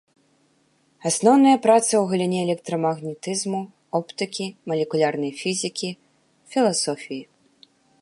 Асноўныя працы ў галіне электрамагнетызму, оптыкі, малекулярнай фізікі, філасофіі.